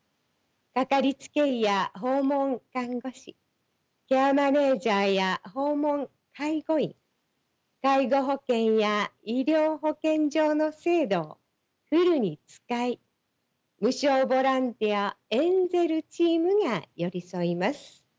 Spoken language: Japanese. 掛かりつけ医や訪問看護師ケアマネジャーや訪問介護員介護保険や医療保険上の制度をフルに使い無償ボランティアエンゼルチームが寄り添います。